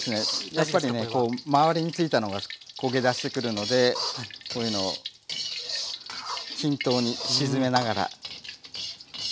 やっぱりね周りについたのが焦げだしてくるのでこういうのを均等に沈めながら。